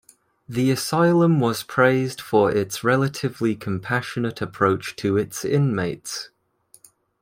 The asylum was praised for its relatively compassionate approach to its inmates.